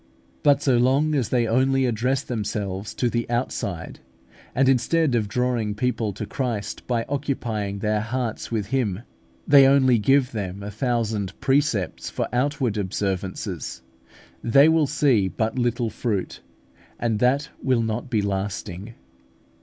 But so long as they only address themselves to the outside, and instead of drawing people to Christ by occupying their hearts with Him, they only give them a thousand precepts for outward observances, they will see but little fruit, and that will not be lasting.